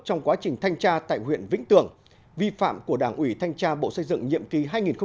trong quá trình thanh tra tại huyện vĩnh tường vi phạm của đảng ủy thanh tra bộ xây dựng nhiệm kỳ hai nghìn một mươi năm hai nghìn hai mươi